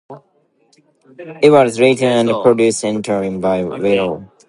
It was written and produced entirely by Willow.